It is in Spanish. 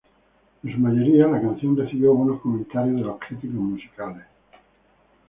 En su mayoría, la canción recibió buenos comentarios de los críticos musicales.